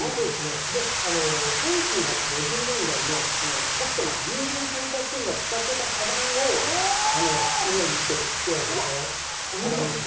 １９５０年代のポストマン郵便配達員が使っていたカバンをイメージして作られたカバンです。